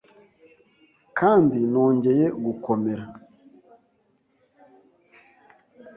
Kandi nongeye gukomera: